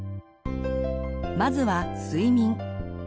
まずは睡眠。